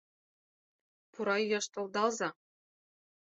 Пура йӱаш толдалза.